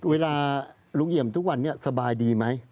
เวลาลุงเอี่ยมทุกวันนี้สบายดีไหม